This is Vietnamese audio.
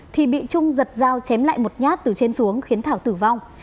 thì bị trung giật dao chém lại một nhát từ trên xuống khiến thảo tử vong